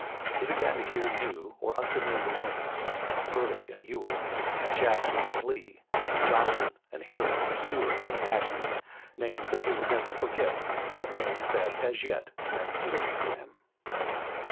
He began to hear new or unfamiliar names, Early, and Ewell, and Jackson, and Lee, and Johnston, and Hill, and Stuart, and Ashby, names that he would never forget, but names that as yet meant little to him.